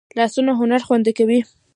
لاسونه هنر خوندي کوي